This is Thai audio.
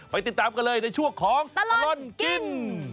ติดตามกันเลยในช่วงของตลอดกิน